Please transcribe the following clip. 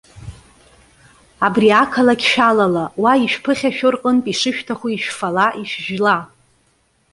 Абри ақалақь шәалала, уа ишәԥыхьашәо рҟынтә ишышәҭаху ишәфала, ишәжәыла.